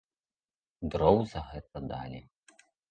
Дроў за гэта далі.